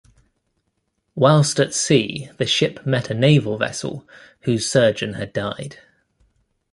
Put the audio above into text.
Whilst at sea the ship met a naval vessel whose surgeon had died.